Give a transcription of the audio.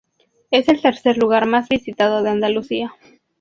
Es el tercer lugar más visitado de Andalucía.